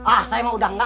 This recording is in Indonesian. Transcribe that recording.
ah saya mah udah enggak